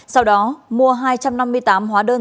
sau đó mua hai trăm năm mươi tám hóa đơn